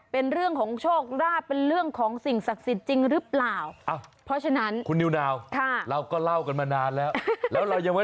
เพิ่งเรื่องของโชคลาะเป็นเรื่องของศีลสักสิทธิ์จริงรึเปล่า